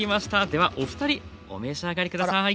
ではお二人お召し上がり下さい。